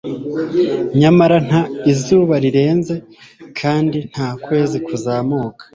nyamara nta izuba rirenze kandi nta kwezi kuzamuka